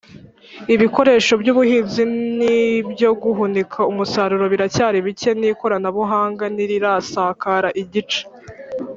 Ibikoresho by ubuhinzi n ibyo guhunika umusaruro biracyari bike n ikoranabuhanga ntirirasakara igice